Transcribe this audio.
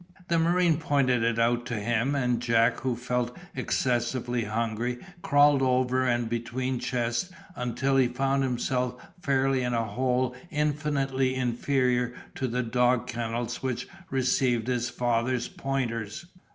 The marine pointed it out to him, and Jack, who felt excessively hungry, crawled over and between chests, until he found himself fairly in a hole infinitely inferior to the dog kennels which received his father's pointers.